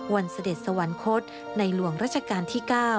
เสด็จสวรรคตในหลวงราชการที่๙